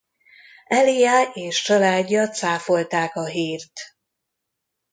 Aaliyah és családja cáfolták a hírt.